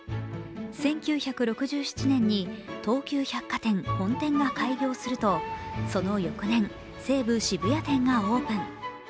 １９６７年に東急百貨店本店が開業するとその翌年、西武渋谷店がオープン。